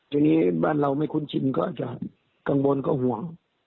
ทีนี้บ้านเราไม่คุ้นชินก็อาจจะกังวลก็ห่วง